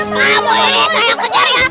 kamu ini saya yang kejar ya